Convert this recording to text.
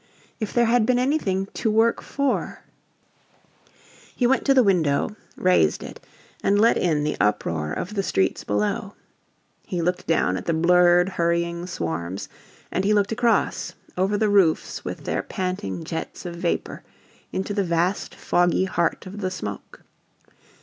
If there had been anything "to work for " He went to the window, raised it, and let in the uproar of the streets below. He looked down at the blurred, hurrying swarms and he looked across, over the roofs with their panting jets of vapor, into the vast, foggy heart of the smoke.